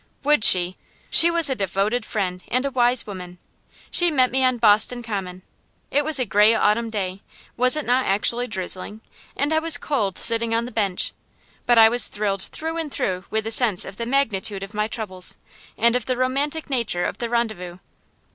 Would she? She was a devoted friend, and a wise woman. She met me on Boston Common. It was a gray autumn day was it not actually drizzling? and I was cold sitting on the bench; but I was thrilled through and through with the sense of the magnitude of my troubles, and of the romantic nature of the rendezvous.